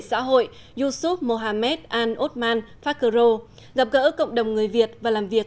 xã hội yusuf mohammed al othman fakiro gặp gỡ cộng đồng người việt và làm việc